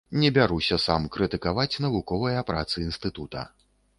Не бяруся сам крытыкаваць навуковыя працы інстытута.